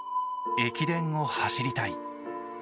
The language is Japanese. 駅伝を走りたい。